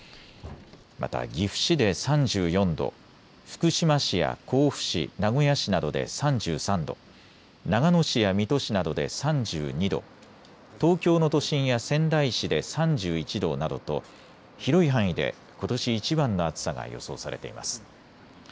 また岐阜市で３４度、福島市や甲府市、名古屋市などで３３度、長野市や水戸市などで３２度、東京の都心や仙台市で３１度などと広い範囲でことしいちばんの暑さが予想されています。